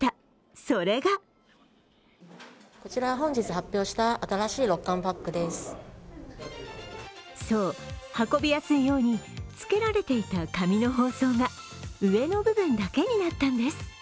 それがそう、運びやすいようにつけられていた紙の包装が上の部分だけになったんです。